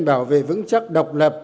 bảo vệ vững chắc độc lập